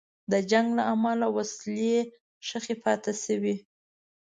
د جنګ له امله وسلې ښخي پاتې شوې.